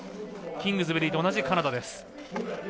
キングズベリーと同じカナダです。